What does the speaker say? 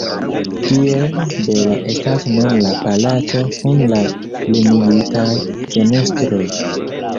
Kiel bela estas nun la palaco kun la lumigitaj fenestroj!